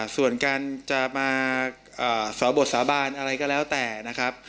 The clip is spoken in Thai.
ส่วนการจะมาสอบบทสาบานอะไรก็แล้วแต่นะครับ